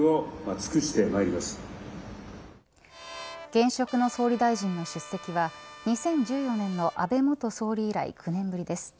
現職の総理大臣の出席は２０１４年の安倍元総理以来９年ぶりです。